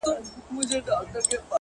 • څوك به بېرته لوپټه د خور پر سر كي,